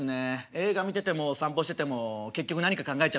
映画見てても散歩してても結局何か考えちゃうんで」。